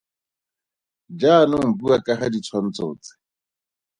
Jaanong bua ka ga ditshwantsho tse.